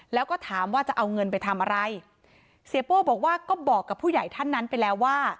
แล้วก็ถามว่าจะเอาเงินไปทำอะไรเสียโป้บอกว่าก็บอกกับผู้ใหญ่ท่านนั้นไปแล้วว่า